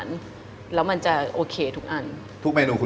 อ๋อเดี๋ยวดูไม่ออก